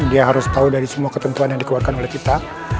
dia harus tahu dari semua ketentuan yang dikeluarkan oleh kita